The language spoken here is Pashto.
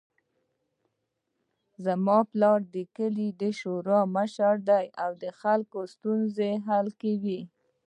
زما پلار د کلي د شورا مشر ده او د خلکو ستونزې حل کوي